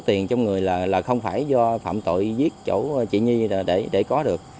số tiền trong người là không phải do phạm tội giết chỗ chị nhi để có được